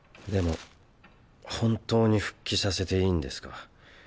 でも本当に復帰させていいんですか？